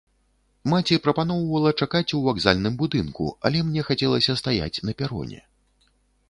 Маці прапаноўвала чакаць у вакзальным будынку, але мне хацелася стаяць на пероне.